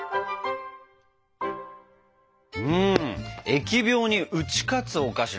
疫病に打ち勝つお菓子なんだね。